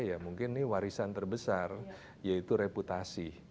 ya mungkin ini warisan terbesar yaitu reputasi